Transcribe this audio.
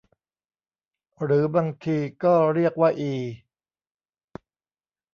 หรือบางทีก็เรียกว่าอี